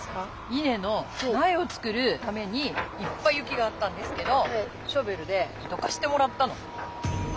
いねのなえを作るためにいっぱい雪があったんですけどショベルでどかしてもらったの。